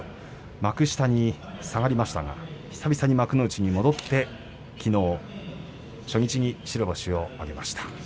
幕下に下がりましたが久々に幕内に戻ってきのう初日白星を挙げました。